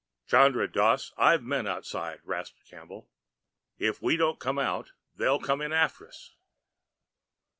"Chandra Dass, I've men outside," rasped Campbell. "If we don't come out, they'll come in after us."